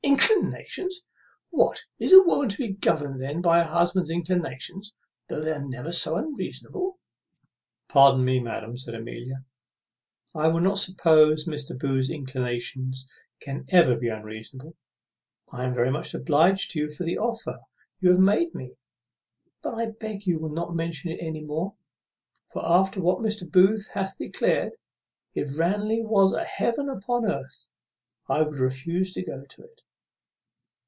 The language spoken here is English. Inclinations! what, is a woman to be governed then by her husband's inclinations, though they are never so unreasonable?" "Pardon me, madam," said Amelia; "I will not suppose Mr. Booth's inclinations ever can be unreasonable. I am very much obliged to you for the offer you have made me; but I beg you will not mention it any more; for, after what Mr. Booth hath declared, if Ranelagh was a heaven upon earth, I would refuse to go to it."